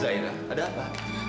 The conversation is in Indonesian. zairah ada apa